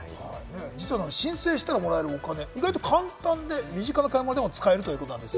実は申請したらもらえるお金、意外と簡単で身近な買い物でも使えるということなんです。